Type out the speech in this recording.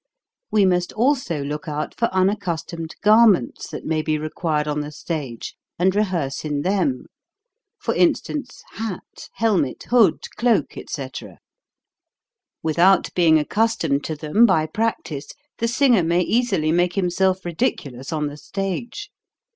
We must also look out for unaccustomed garments that may be required on the stage, and rehearse in them; for in stance, hat, helmet, hood, cloak, etc. With out becoming accustomed to them by practice, the singer may easily make himself ridicu lous on the stage.